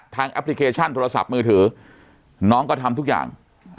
แอปพลิเคชันโทรศัพท์มือถือน้องก็ทำทุกอย่าง